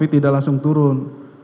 tidak langsung turun